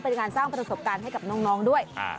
เป็นการสร้างประสบการณ์ให้กับน้องด้วย